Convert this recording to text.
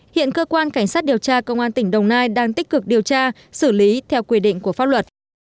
hiện cơ quan cảnh sát điều tra công an tỉnh đồng nai đang tích cực điều tra xử lý theo quy định của pháp luật